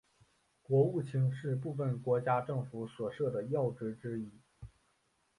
国务卿是部份国家政府所设的要职之一。